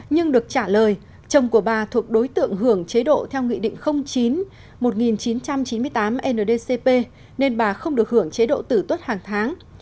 nhưng được trả lời chồng của bà thuộc đối tượng hưởng chế độ theo nghị định chín một nghìn chín trăm chín mươi tám ndcp nên bà không được hưởng chế độ tử tuất hàng tháng